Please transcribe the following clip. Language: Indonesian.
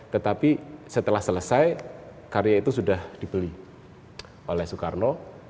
tetapi setelah selesai karya itu sudah dibeli oleh soekarno